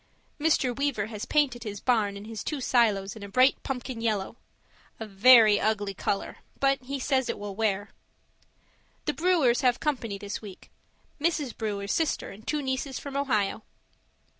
Mr. Weaver has painted his barn and his two silos a bright pumpkin yellow a very ugly colour, but he says it will wear. The Brewers have company this week; Mrs. Brewer's sister and two nieces from Ohio.